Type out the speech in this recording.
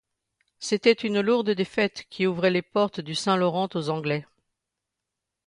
C’était une lourde défaite qui ouvrait les portes du Saint-Laurent aux Anglais.